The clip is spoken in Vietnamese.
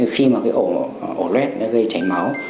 khi mà ổ lết gây chảy máu